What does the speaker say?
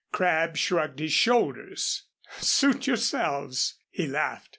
Crabb shrugged his shoulders. "Suit yourselves," he laughed.